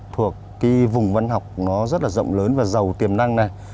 thuộc cái vùng văn học nó rất là rộng lớn và giàu tiềm năng này